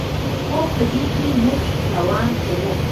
خو په دې کې موږ تاوان کوو.